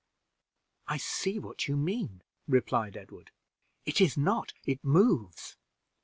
"I see what you mean," replied Edward. "It is not, it moves."